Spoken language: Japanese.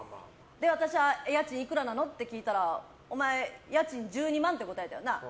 私は家賃いくらなのって聞いたらお前、家賃１２万って答えたよな。